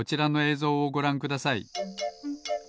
ぞうをごらんください。